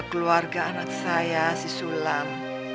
keluarga anak saya si sulam